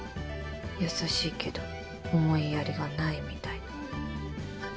優しいけど思いやりがないみたいな。